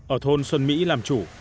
ở thôn xuân mỹ làm chủ